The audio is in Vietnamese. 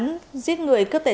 một vụ án giết người cướp tài sản